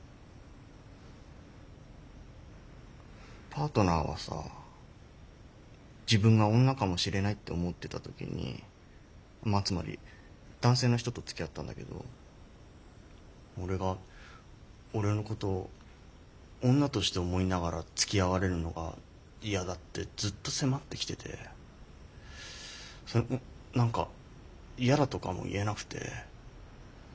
パートナーはさ自分が女かもしれないって思ってた時にまあつまり男性の人とつきあったんだけど俺が俺のことを女として思いながらつきあわれるのが嫌だってずっと迫ってきててそれも何か嫌だとかも言えなくて。